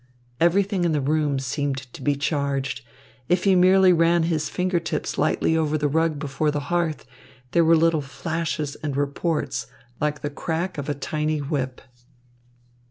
Everything in the room seemed to be charged. If he merely ran his finger tips lightly over the rug before the hearth, there were little flashes and reports, like the crack of a tiny whip.